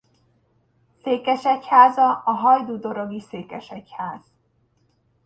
Székesegyháza a hajdúdorogi székesegyház.